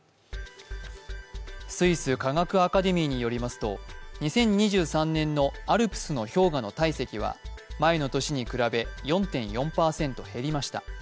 スイス科学アカデミーによりますと２０２３年のアルプスの氷河の体積は前の年に比べ、４．４％減りました。